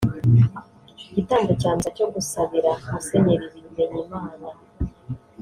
Igitambo cya Misa cyo gusabira Musenyeri Bimenyimana